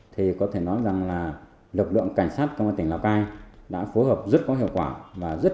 thì có thể nói rằng là lực lượng cảnh sát công an tỉnh lào cai đã phối hợp rất có hiệu quả và rất